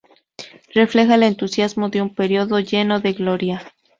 Refleja el entusiasmo de un período lleno de gloria.